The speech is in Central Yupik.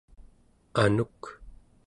anuk